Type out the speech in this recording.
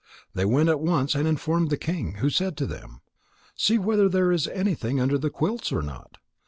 They went at once and informed the king, who said to them: "See whether there is anything under the quilts or not."